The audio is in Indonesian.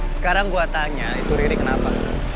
sekarang gue tanya itu riri kenapa